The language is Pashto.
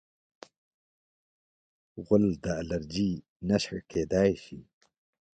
غول د الرجۍ نښه کېدای شي.